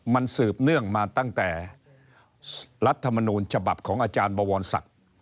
มันสืบเนื่องมาตั้งแต่รัฐมนูลฉบับของอาจารย์บวรศักดิ์